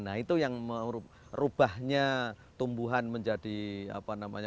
nah itu yang merubahnya tumbuhan menjadi fungsi lain